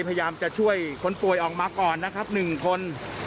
พยายามจะช่วยคนป่วยออกมาก่อนนะครับ๑คน